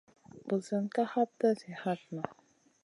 Ɓosionna ka hapta zi hatna.